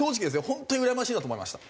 本当にうらやましいなと思いました。